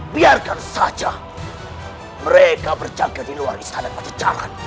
biarkan saja mereka berjaga di luar istana pajajaran